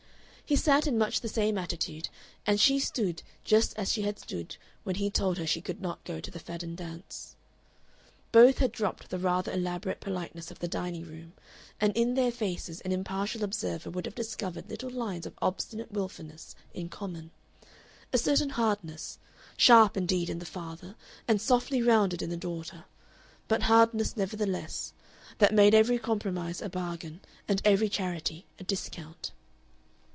He sat in much the same attitude, and she stood just as she had stood when he told her she could not go to the Fadden Dance. Both had dropped the rather elaborate politeness of the dining room, and in their faces an impartial observer would have discovered little lines of obstinate wilfulness in common; a certain hardness sharp, indeed, in the father and softly rounded in the daughter but hardness nevertheless, that made every compromise a bargain and every charity a discount.